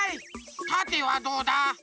たてはどうだ？